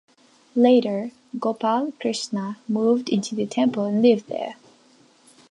Later Gopal Krishna moved into the temple and lived there.